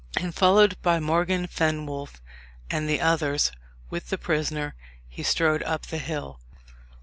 And followed by Morgan Fenwolf and the others, with the prisoner, he strode up the hill.